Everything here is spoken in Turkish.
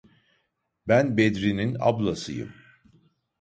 Ben Bedri’nin ablasıyım!